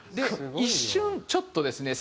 一瞬ちょっとですね